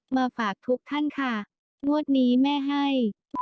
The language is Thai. มาฝากทุกท่านค่ะงวดนี้แม่ให้